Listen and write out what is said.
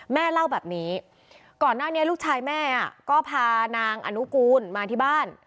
แม่เล่าแบบนี้ก่อนหน้านี้ลูกชายแม่ก็พานางอนุกูลมาที่บ้าน